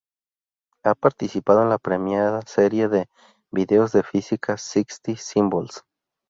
Ha participado en la premiada serie de videos de física Sixty Symbols.